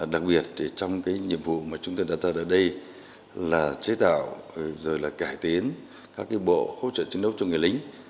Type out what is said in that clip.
đặc biệt trong nhiệm vụ mà chúng ta đặt ra ở đây là chế tạo cải tiến các bộ hỗ trợ chiến đấu cho người lính